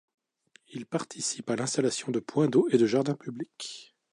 Il participe à l'installation de points d'eau et de jardins publics.